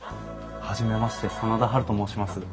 初めまして真田ハルと申します。